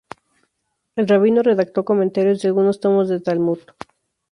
El rabino redactó comentarios de algunos tomos del Talmud.